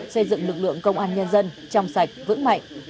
xây dựng lực lượng công an nhân dân trong sạch vững mạnh